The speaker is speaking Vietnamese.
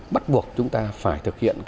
bắt buộc chúng ta phải thực hiện